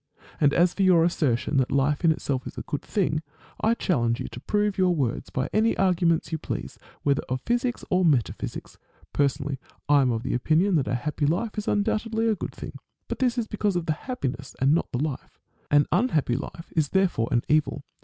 And as for your assertion that life in itself is a good thing, I challenge you to prove your words by any arguments you please, whether of physics or metaphysics. Personally I am of opinion that a happy life is undoubtedly a good thing. But this is because of the happiness, not the life. An unhappy life is there fore an evil.